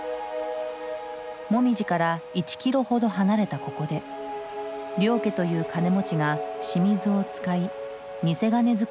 モミジから１キロほど離れたここで領家という金持ちが清水を使い偽金づくりをしていた。